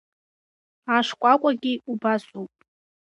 Ашкәакәагьы убасоуп.